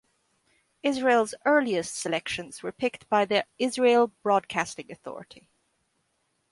Israel's earliest selections were picked by the Israel Broadcasting Authority.